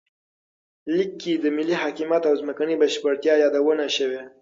لیک کې د ملي حاکمیت او ځمکنۍ بشپړتیا یادونه شوې.